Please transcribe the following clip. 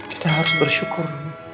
kita harus bersyukur